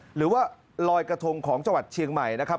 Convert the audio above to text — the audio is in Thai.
หรือว่าลอยกระทงของจังหวัดเชียงใหม่นะครับ